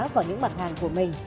vào những mặt hàng của mình